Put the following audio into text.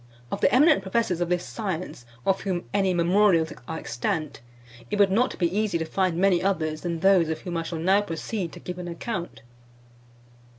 Of the eminent professors of this science, of whom any memorials are extant, it would not be easy to find many others than those of whom I shall now proceed to give an account.